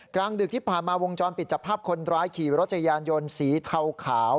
กลางดึกที่ผ่านมาวงจรปิดจับภาพคนร้ายขี่รถจักรยานยนต์สีเทาขาว